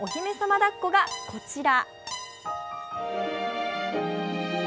だっこが、こちら。